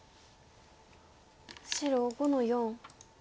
白５の四。